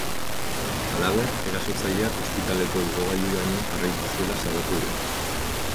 Halaber, erasotzaileak ospitaleko igogailuraino jarraitu zuela salatu du.